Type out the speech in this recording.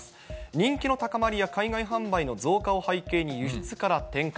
人気の高まりや海外販売の増加を背景に輸出から転換。